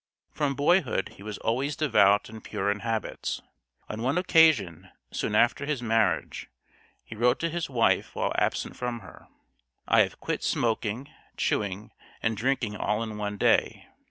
From boyhood he was always devout and pure in habits. On one occasion, soon after his marriage, he wrote to his wife while absent from her: "I have quit smoking, chewing, and drinking all in one day.